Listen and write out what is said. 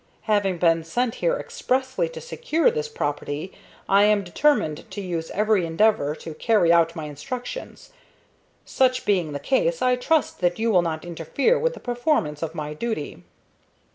Having been sent here expressly to secure this property, I am determined to use every endeavor to carry out my instructions. Such being the case, I trust that you will not interfere with the performance of my duty."